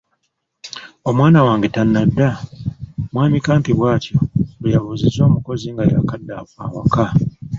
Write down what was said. “Omwana wange tannadda? ” mwami Kampi bw’atyo bwe yabuuza omukozi nga yaakadda awaka.